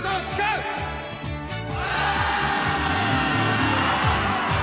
お！